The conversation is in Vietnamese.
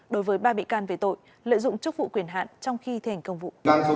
đối với ba bị can về tội lợi dụng chức vụ quyền hạn trong khi thành công vụ